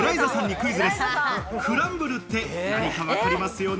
クランブルって何かわかりますよね？